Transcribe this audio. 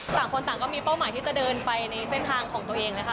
ต่างคนต่างก็มีเป้าหมายที่จะเดินไปในเส้นทางของตัวเองนะคะ